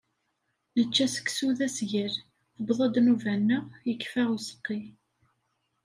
Nečča-d seksu d asgal. Tewweḍ-d nnuba-nneɣ, yekfa useqqi.